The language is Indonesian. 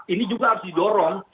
ini juga harus didorong